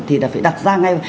thì là phải đặt ra ngay